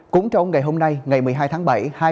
cũng trong ngày hôm nay ngày một mươi hai tháng bảy